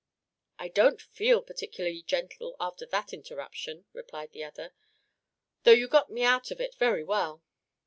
"I don't feel particularly gentle after that interruption," replied the other, "though you got me out of it very well.